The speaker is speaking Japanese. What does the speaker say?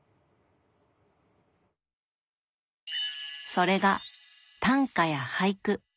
それが短歌や俳句。